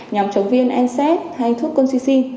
nhóm chống viên nsaid hay thuốc con cc